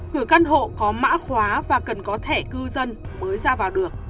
cử căn hộ có mã khóa và cần có thẻ cư dân mới ra vào được